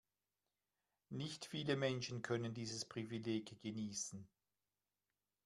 Nicht viele Menschen können dieses Privileg genießen.